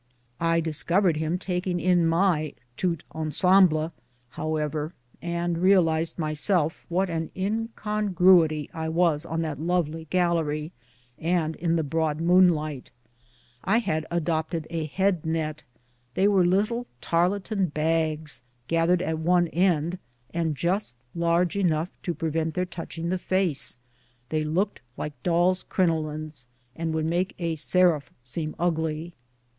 I discovered him taking in my tout ensenible^ however, and realized myself what an incongru ity I was on that lovely gallery and in the broad moon light. I had adopted a head net : they are little tarlatan bags, gathered at one end and just large enough to slip over the head ; rattans are run round these to prevent their touching the face — they look like dolls' crinolines, and would make a seraph seem ugly.